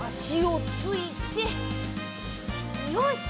よし！